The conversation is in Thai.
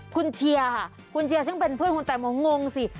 คุณเชียร์ค่ะคุณเชียร์ซึ่งเป็นเพื่อนคุณแตงโมงงสิ